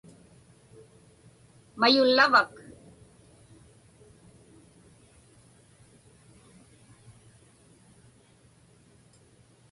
Mayullavak?